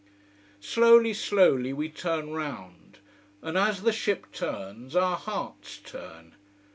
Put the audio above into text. Slowly, slowly we turn round: and as the ship turns, our hearts turn.